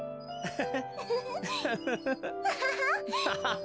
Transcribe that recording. ハハハハ。